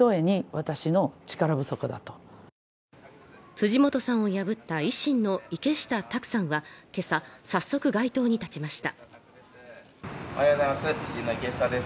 辻元さんを破った維新の池下卓さんは今朝、早速、街頭に立ちました。